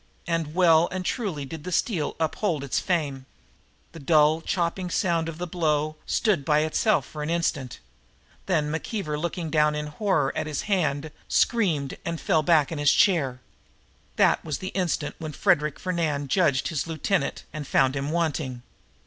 And well and truly did that steel uphold its fame. The dull, chopping sound of the blow stood by itself for an instant. Then McKeever, looking down in horror at his hand, screamed and fell back in his chair. That was the instant when Frederic Fernand judged his lieutenant and found him wanting.